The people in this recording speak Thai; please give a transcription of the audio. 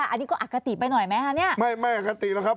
อันนี้ก็อักกติไปหน่อยไหมฮะเนี้ยไม่ไม่อักกติแล้วครับ